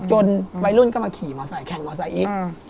วัยรุ่นก็มาขี่มอไซคแข่งมอไซค์อีก